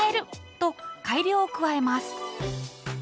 と改良を加えます。